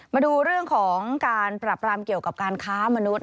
มาดูเรื่องของการปรับรามเกี่ยวกับการค้ามนุษย